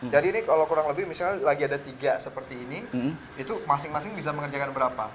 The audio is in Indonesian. jadi ini kalau kurang lebih misalnya lagi ada tiga seperti ini itu masing masing bisa mengerjakan berapa